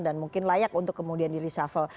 dan mungkin layak untuk kemudian di risafel